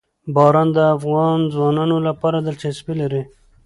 باران د افغان ځوانانو لپاره دلچسپي لري.